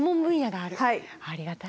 ありがたい。